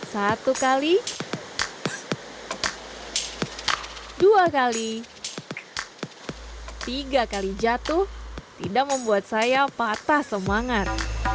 satu kali dua kali tiga kali jatuh tidak membuat saya patah semangat